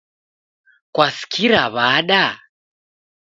Kwaw'asikira wada?